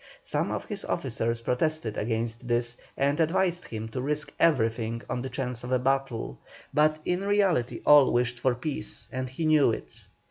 Some of his officers protested against this, and advised him to risk everything on the chance of a battle, but in reality all wished for peace, and he knew it.